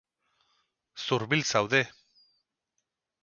Zurbil zaude.